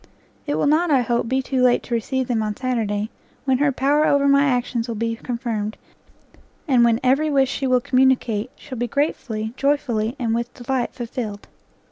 It will not, I hope, be too late to receive them on Saturday, when her power over my actions will be confirmed, and when every wish she will communicate, shall be gratefully, joyfully, and with delight fulfilled.